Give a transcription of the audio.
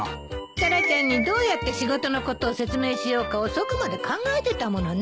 タラちゃんにどうやって仕事のことを説明しようか遅くまで考えてたものね。